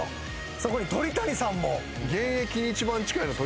そこに鳥谷さんも。